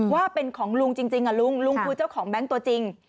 ว่าเป็นของลุงจริงลุงลุงคือเจ้าของแบงค์ตัวจริง